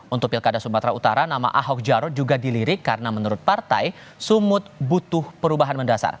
untuk pilkada sumatera utara nama ahok jarot juga dilirik karena menurut partai sumut butuh perubahan mendasar